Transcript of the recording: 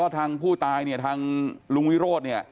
ทางผู้ตายทางลุงวิโรธ